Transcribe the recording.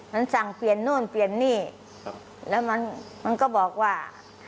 มันสั่งเปลี่ยนโน่นเปลี่ยนนี่แล้วมันมันก็บอกว่า